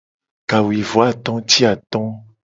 Kawuivoato ti ato.